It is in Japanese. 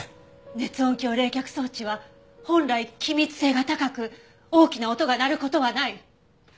熱音響冷却装置は本来気密性が高く大きな音が鳴る事はない。